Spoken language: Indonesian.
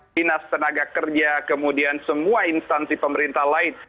dinas tenaga kerja kemudian semua instansi pemerintah lain